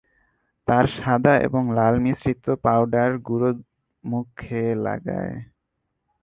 তারা সাদা এবং লাল মিশ্রিত পাউডার গুঁড়ো মুখে লাগায়।